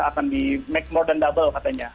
akan di make more dan double katanya